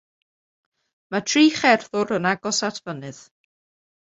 Mae tri cherddwr yn agos at fynydd.